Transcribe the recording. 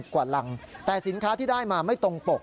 กว่ารังแต่สินค้าที่ได้มาไม่ตรงปก